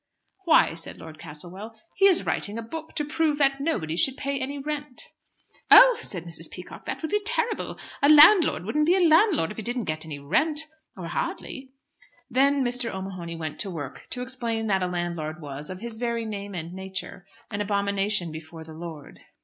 "Why," said Lord Castlewell, "he is writing a book to prove that nobody should pay any rent!" "Oh!" said Mrs. Peacock, "that would be terrible. A landlord wouldn't be a landlord if he didn't get any rent; or hardly." Then Mr. O'Mahony went to work to explain that a landlord was, of his very name and nature, an abomination before the Lord.